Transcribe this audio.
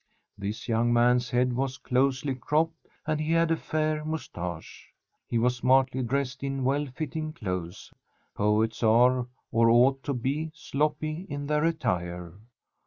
This young man's head was closely cropped and he had a fair moustache. He was smartly dressed in well fitting clothes. Poets are, or ought to be, sloppy in their attire.